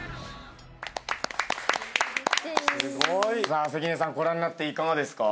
さあ関根さんご覧になっていかがですか？